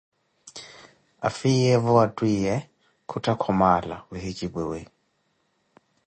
Afiyeevo wa ttwiiye kuttha Khomaala khuhijipwiwi